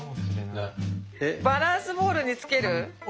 バランスボールにつける？